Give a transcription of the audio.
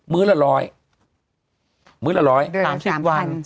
มื้อละร้อยมื้อละร้อยตามเชฟวัน